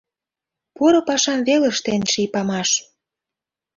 Поро пашам вел Ыштен ший памаш.